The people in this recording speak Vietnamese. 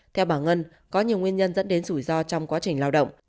theo bà ngân có nhiều nguyên nhân dẫn đến rủi ro trong quá trình lao động